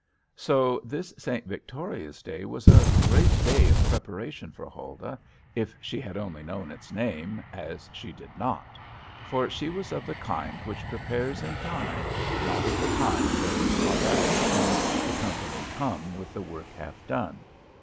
So this St. Victoria's day was a great day of preparation for Huldah, if she had only known its name, as she did not. For she was of the kind which prepares in time, not of the kind that is caught out when the company come with the work half done.